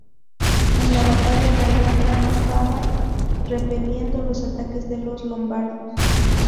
En la batalla, Balián ganó fama repeliendo los ataques de los Lombardos.